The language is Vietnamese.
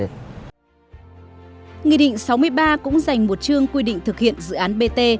nghị định sáu mươi ba cũng dành một chương quy định thực hiện dự án bt